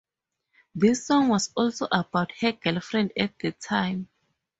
This song was also about her girlfriend at the time.